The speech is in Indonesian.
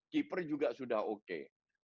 keeper juga sudah oke